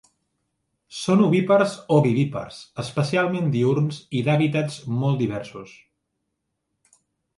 Són ovípars o vivípars, especialment diürns i d'hàbitats molt diversos.